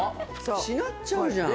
しなっちゃうじゃん